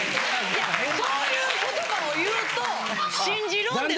いやそういう言葉を言うと信じるんですよ。